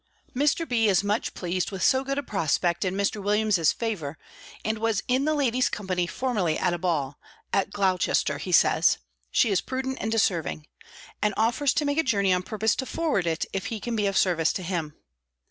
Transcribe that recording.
Mr. B. is much pleased with so good a prospect in Mr. Williams's favour, and was in the lady's company formerly at a ball, at Gloucester; he says, she is prudent and deserving; and offers to make a journey on purpose to forward it, if he can be of service to him.